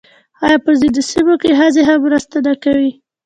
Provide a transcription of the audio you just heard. آیا په ځینو سیمو کې ښځې هم مرسته نه کوي؟